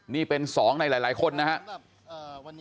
นี่เป็น๒ในหลายคนนะครับ